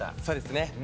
そうですね。